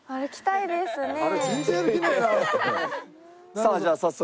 さあじゃあ早速。